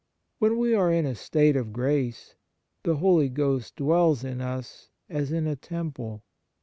When we are in a state of grace, the Holy Ghost dwells in us as in a temple.